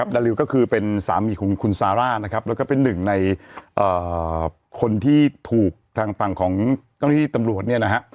ดาริวก็คือเป็นสามีของคุณซาร่าแล้วก็เป็นหนึ่งในคนที่ถูกทางฝั่งของกรรมนิธิตำรวจ